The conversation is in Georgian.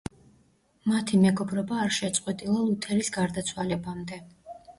მათი მეგობრობა არ შეწყვეტილა ლუთერის გარდაცვალებამდე.